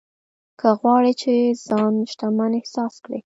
که غواړې چې ځان شتمن احساس کړې.